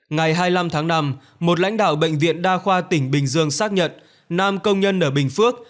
ngày hai mươi năm tháng năm một lãnh đạo bệnh viện đa khoa tỉnh bình dương xác nhận nam công nhân ở bình phước